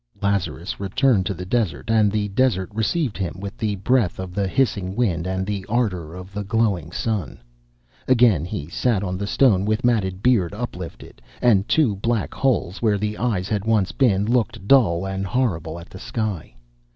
Lazarus returned to the desert and the desert received him with the breath of the hissing wind and the ardour of the glowing sun. Again he sat on the stone with matted beard uplifted; and two black holes, where the eyes had once been, looked dull and horrible at the sky.